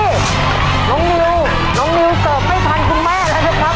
นี่น้องนิวน้องนิวเสิร์ฟไม่ทันคุณแม่แล้วนะครับ